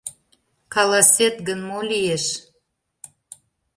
— Каласет гын, мо лиеш?!